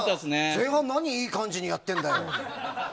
前半何いい感じにやってんだよ。